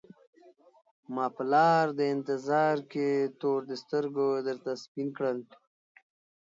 ما په لار د انتظار کي تور د سترګو درته سپین کړل